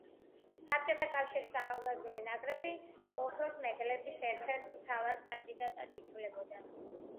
საბჭოთა კავშირის ახალგაზრდული ნაკრები ოქროს მედლების ერთ-ერთ მთავარ კანდიდატად ითვლებოდა.